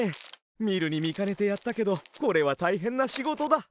みるにみかねてやったけどこれはたいへんなしごとだ。